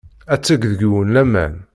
Ad teg deg-wen laman.